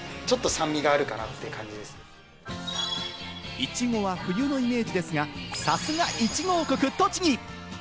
いちごは冬のイメージですが、さすが、いちご王国・栃木！